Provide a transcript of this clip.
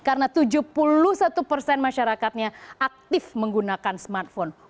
karena tujuh puluh satu persen masyarakatnya aktif menggunakan smartphone